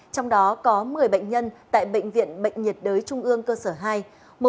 trong đó có một mươi bệnh nhân tại bệnh viện bệnh nhiệt đới trung ương cơ sở hai